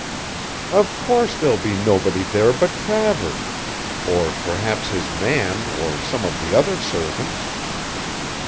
"Of course there'll be nobody there but Travers, or perhaps his man or some of the other servants.